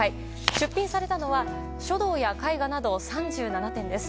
出品されたのは書道や絵画など３７点です。